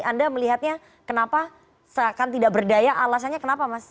anda melihatnya kenapa seakan tidak berdaya alasannya kenapa mas